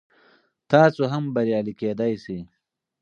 تاسو هم بریالی کیدلی شئ.